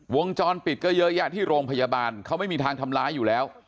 วงจรปิดก็เยอะแยะที่โรงพยาบาลเขาไม่มีทางทำร้ายอยู่แล้ว